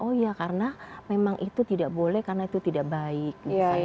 oh iya karena memang itu tidak boleh karena itu tidak baik